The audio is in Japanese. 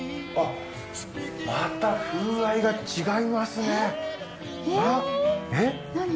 また風合いが違いますね。